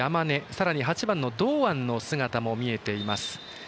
さらに８番の堂安の姿も見えています。